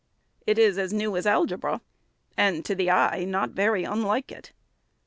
It is as new as algebra, and, to the eye, not very unlike it.